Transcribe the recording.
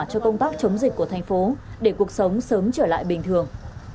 cho công tác chống dịch của thành phố để cuộc sống sớm trở lại bình thường